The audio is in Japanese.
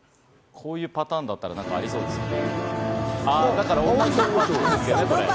こういうパターンだったら何かありそうですね。